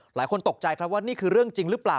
หลายคนตกใจครับว่านี่คือเรื่องจริงหรือเปล่า